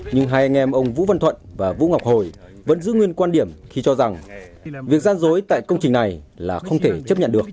nhưng hai anh em ông vũ văn thuận và vũ ngọc hồi vẫn giữ nguyên quan điểm khi cho rằng việc gian dối tại công trình này là không thể chấp nhận được